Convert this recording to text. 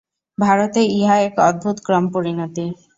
ভারতে ইহা এক অদ্ভুত ক্রমপরিণতি।